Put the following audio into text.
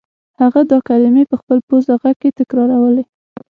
هغه دا کلمې په خپل پوزه غږ کې تکرارولې